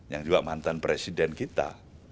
yang juga mantan presiden kita